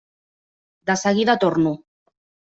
De seguida torno.